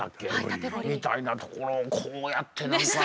みたいなところをこうやってなんか。ね